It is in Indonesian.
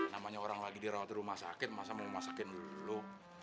namanya orang lagi di rawat rumah sakit masa mau dimasakin dulu